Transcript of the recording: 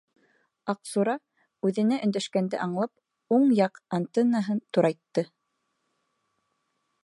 Аҡсура, үҙенә өндәшкәнде аңлап, уң яҡ антеннаһын турайтты.